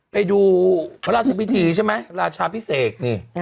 ไปดูพระราชวิทธิใช่ไหมราชาพิเศก